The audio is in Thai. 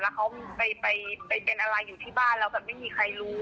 แล้วเขาไปเป็นอะไรอยู่ที่บ้านแล้วแบบไม่มีใครรู้